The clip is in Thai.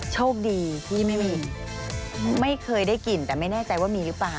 โชคดีที่ไม่มีไม่เคยได้กลิ่นแต่ไม่แน่ใจว่ามีหรือเปล่า